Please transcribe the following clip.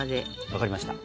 分かりました。